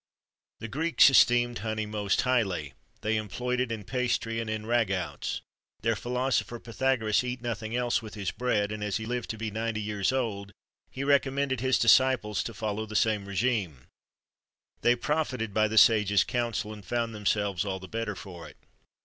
The Greeks esteemed honey most highly;[XXIII 51] they employed it in pastry, and in ragoûts;[XXIII 52] their philosopher, Pythagoras, eat nothing else with his bread, and, as he lived to be ninety years old, he recommended his disciples to follow the same régime.[XXIII 53] They profited by th sage's counsel, and found themselves all the better for it.